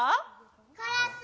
・カラス！